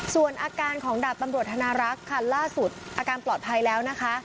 ส่วนอาการของดาบตำรวจธนารักษ์ค่ะล่าสุดอาการปลอดภัยแล้วนะคะ